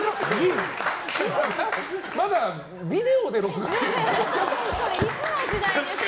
まだビデオで録画してるんですか？